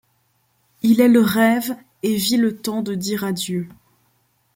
Il est le rêve, et vit le temps de dire adieu.